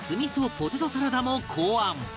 ポテトサラダも考案